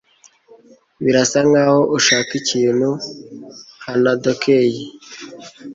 Birasa nkaho ushaka ikintu ... (hanadokei)